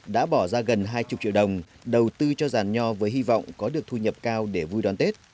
đã bỏ ra gần hai mươi triệu đồng đầu tư cho giàn nho với hy vọng có được thu nhập cao để vui đoàn tết